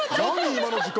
今の時間。